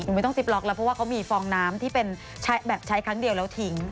หนูไม่ต้องซิปล็อกแล้วเพราะว่ามีฟองน้ำที่ใช้ครั้งเดียวแล้วทิ้ง